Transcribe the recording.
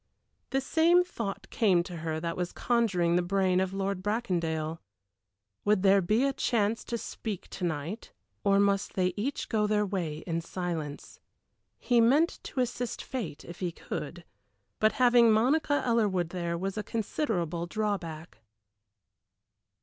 The same thought came to her that was conjuring the brain of Lord Bracondale: would there be a chance to speak to night, or must they each go their way in silence? He meant to assist fate if he could, but having Monica Ellerwood there was a considerable drawback.